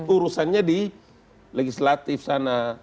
urusannya di legislatif sana